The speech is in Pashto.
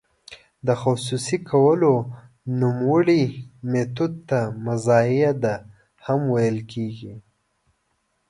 د خصوصي کولو نوموړي میتود ته مزایده هم ویل کیږي.